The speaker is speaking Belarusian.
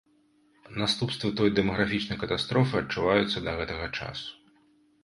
Наступствы той дэмаграфічнай катастрофы адчуваюцца да гэтага часу.